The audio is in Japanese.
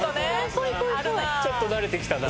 ちょっと慣れてきたな。